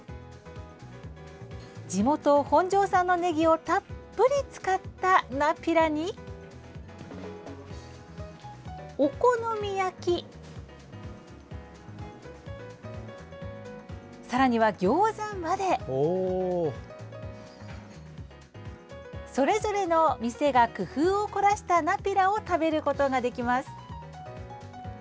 地元・本庄産のねぎをたっぷり使ったナピラにお好み焼きさらにはギョーザまでそれぞれの店が工夫を凝らしたナピラを食べることができます。